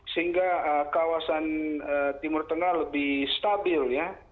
sehingga kawasan timur tengah lebih stabil ya